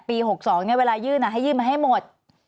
ปี๖๒เนี่ยเวลายื่นอะให้ยื่นมาให้หมด